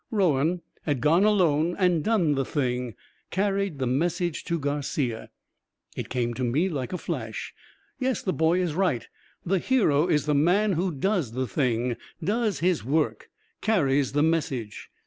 Rowan had gone alone and done the thing carried the message to Garcia. It came to me like a flash! Yes, the boy is right, the hero is the man who does the thing does his work carries the message.